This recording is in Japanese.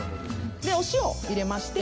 お塩を入れまして。